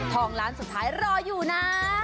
ล้านสุดท้ายรออยู่นะ